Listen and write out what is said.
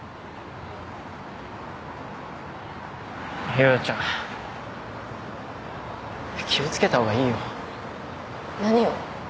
夜々ちゃん気を付けた方がいいよ。何を？